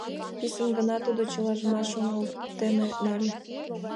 Писын гына тудо чылажымат шоналтен нале.